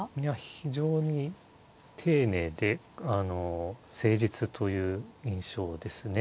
非常に丁寧で誠実という印象ですね。